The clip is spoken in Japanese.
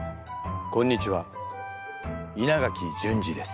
こんにちは稲垣淳二です。